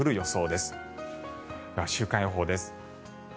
では、週間予報です。